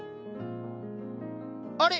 あれ？